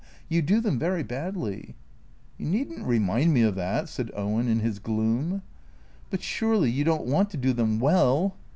You do them very badly." " You need n't remind me of that," said Owen in his gloom. " But, surely, you don't want to do them well